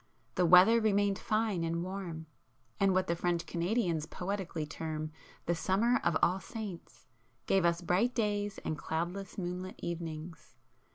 The weather remained fine and warm, and what the French Canadians poetically term the 'Summer of all Saints' gave us bright days and cloudless moonlit evenings.